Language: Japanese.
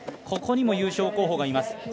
ここにも優勝候補がいます。